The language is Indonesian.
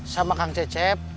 sama kang jecep